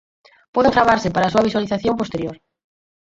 Poden gravarse para a súa visualización posterior.